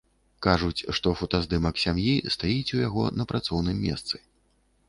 Кажуць, што фотаздымак сям'і стаіць у яго на працоўным месцы.